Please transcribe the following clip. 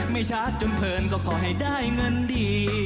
ไม่ชัดจนเผินก็ขอให้ได้เงินดี